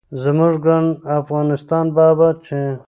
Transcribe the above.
زموږ ګران افغانستان به اباد شي.